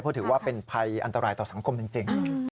เพราะถือว่าเป็นภัยอันตรายต่อสังคมจริง